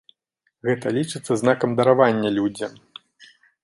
Гэта лічыцца знакам даравання людзям.